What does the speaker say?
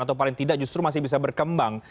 atau paling tidak justru masih bisa berkembang